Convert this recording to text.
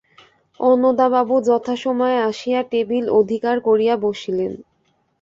অন্নদাবাবু যথাসময়ে আসিয়া টেবিল অধিকার করিয়া বসিলেন।